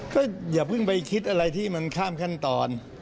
ก็อย่าเพิ่งไปคิดอะไรที่มันข้ามขั้นตอน